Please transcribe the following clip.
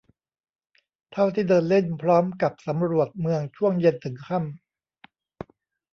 เท่าที่เดินเล่นพร้อมกับสำรวจเมืองช่วงเย็นถึงค่ำ